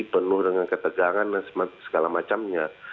penuh dengan ketegangan dan segala macamnya